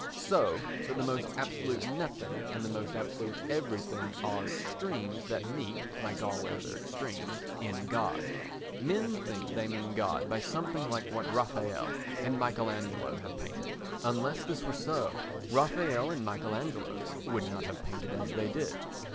So that the most absolute nothing and the most absolute everything are extremes that meet (like all other extremes) in God. Men think they mean by God something like what Raffaelle and Michael Angelo have painted; unless this were so Raffaelle and Michael Angelo would not have painted as they did.